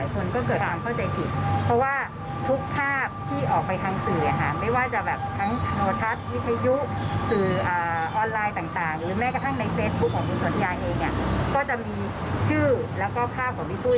คือเป็นหนึ่งใน๒๑หรือ๒๕คนนั้นค่ะ